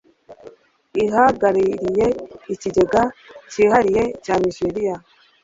ihagarariye Ikigega Cyihariye cya Nijeriya